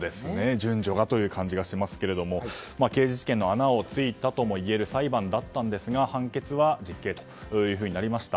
順序が、という感じがしますけど刑事事件の穴を突いたともいえる裁判だったんですが判決は実刑となりました。